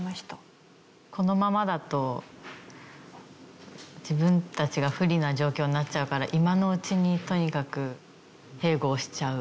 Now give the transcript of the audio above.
このままだと自分たちが不利な状況になっちゃうから今のうちにとにかく併合しちゃう。